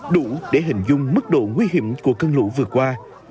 đủ để hình dung mức độ nguy hiểm của cơn lũ vừa qua